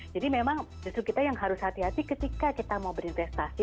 jadi memang justru kita yang harus hati hati ketika kita mau berinvestasi